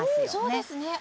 そうですね。